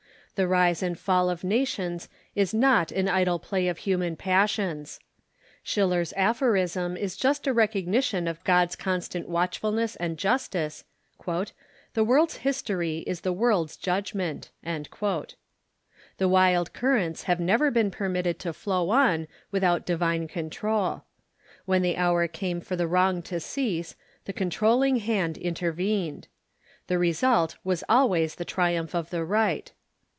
The rise and fall of nations is not an idle play of human passions. Schiller's aphorism is a just recognition of God's constant watchfulness raid justice : "The Avorld's history is the world's judgment." The Avild currents have never been permitted to flow on without divine control. When the hour came for the wrong to cease, the controlling hand intervened. The result was aHvays the triumph of the right.